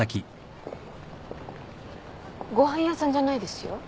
ご飯屋さんじゃないですよ。